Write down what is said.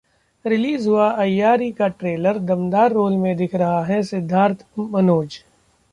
release हुआ 'अय्यारी' का trailer, दमदार रोल में दिख रहे हैं सिद्धार्थ-मनोज